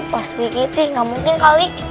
pasri giti gak mungkin kali